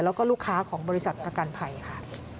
แล้วก็ลูกค้าของบริษัทประกันภัยค่ะ